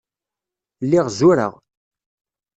Lliɣ zureɣ.